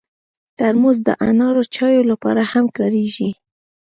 ترموز د انارو چایو لپاره هم کارېږي.